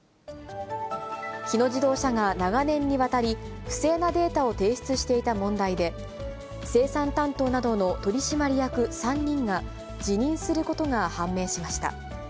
日野自動車が長年にわたり、不正なデータを提出していた問題で、生産担当などの取締役３人が、辞任することが判明しました。